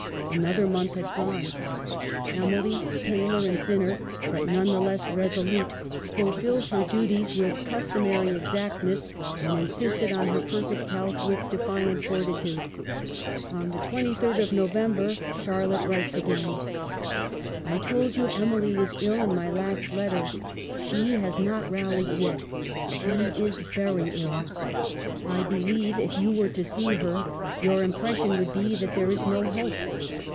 Another month had gone. Emily, paler and thinner, but none the less resolute, fulfilled her duties with customary exactness, and insisted on her perfect health with defiant fortitude. On the 23d of November, Charlotte writes again :" I told you Emily was ill in my last letter. She has not rallied yet. She is very ill. I believe if you were to see her your impression would be that there is no hope.